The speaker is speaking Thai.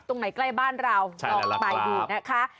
ตรงไหนใกล้บ้านเราลองไปดูนะคะ